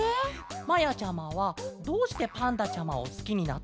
まやちゃまはどうしてパンダちゃまをすきになったケロ？